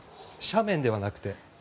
斜面ではなくて。